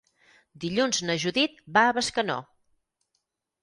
Dilluns na Judit va a Bescanó.